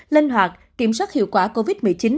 linh hoạt kiểm soát hiệu quả covid một mươi chín